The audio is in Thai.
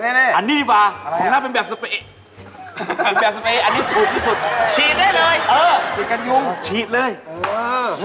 เบ็ดสีมาทะเลมออกไปนอกร้านเลย